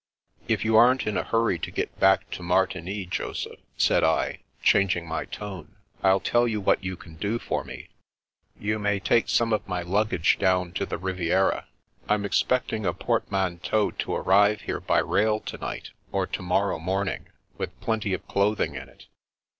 " If you aren't in a hurry to get back to Mar tigny, Joseph," said I, changing my tone, " I'll tell you what you can do for me. You may take some of my luggage down to the Riviera. I'm expect ing a portmanteau to arrive here by rail to night or to morrow morning, with plenty of clothing in it.